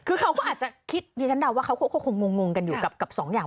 คือเขาก็อาจจะคิดดิฉันเดาว่าเขาก็คงงกันอยู่กับสองอย่าง